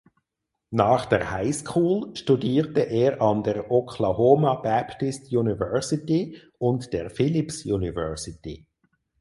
Nach der Highschool studierte er an der Oklahoma Baptist University und der Phillips University.